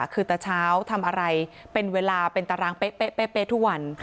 คือตะเช้าทำอะไรเป็นเวลาเป็นตารางเป๊ะทุกวัน